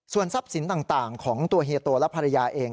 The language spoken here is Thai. ส่วนทรัพย์สินต่างของตัวเฮียโตและภรรยาเอง